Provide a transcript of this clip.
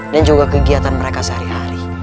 dan juga kegiatan mereka sehari hari